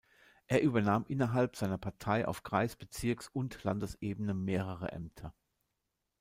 Er übernahm innerhalb seiner Partei auf Kreis, Bezirks und Landesebene mehrere Ämter.